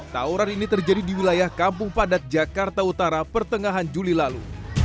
tawuran ini terjadi di wilayah kampung padat jakarta utara pertengahan juli lalu